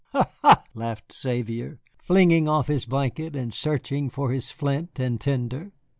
"Ha, ha," laughed Xavier, flinging off his blanket and searching for his flint and tinder.